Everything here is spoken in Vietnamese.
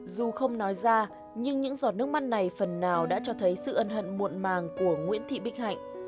dù không nói ra nhưng những giọt nước mắt này phần nào đã cho thấy sự ân hận muộn màng của nguyễn thị bích hạnh